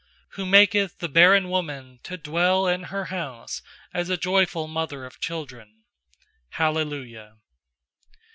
Who maketh the barren woman to dwell in her house As a joyful mother of children. Hallelujah.